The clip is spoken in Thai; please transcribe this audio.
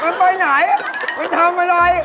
มันไปไหนมันทำอะไร